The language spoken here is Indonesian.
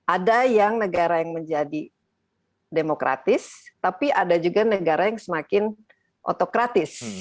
ada yang negara yang menjadi demokratis tapi ada juga negara yang semakin otokratis